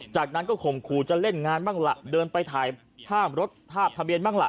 จากนั้นก็ข่มขู่จะเล่นงานบ้างล่ะเดินไปถ่ายภาพรถภาพทะเบียนบ้างล่ะ